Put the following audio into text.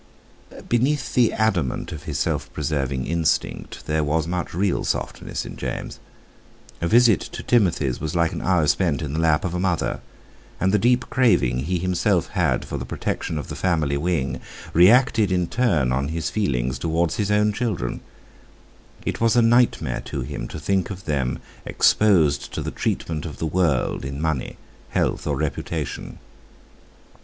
Beneath the adamant of his self preserving instinct there was much real softness in James; a visit to Timothy's was like an hour spent in the lap of a mother; and the deep craving he himself had for the protection of the family wing reacted in turn on his feelings towards his own children; it was a nightmare to him to think of them exposed to the treatment of the world, in money, health, or reputation.